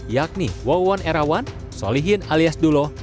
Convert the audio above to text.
yakni wawan erawan solihin alias duloh